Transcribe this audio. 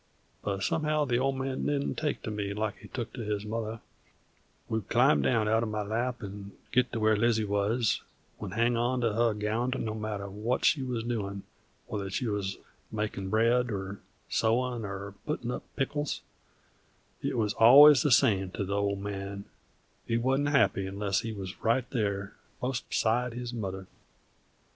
But, somehow, the Old Man didn't take to me like he took to his mother: would climb down outern my lap to git where Lizzie wuz; would hang on to her gownd, no matter what she wuz doin', whether she wuz makin' bread, or sewin', or puttin' up pickles, it wuz alwuz the same to the Old Man; he wuzn't happy unless he wuz right there, clost beside his mother.